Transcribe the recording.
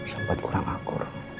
sempet kurang akur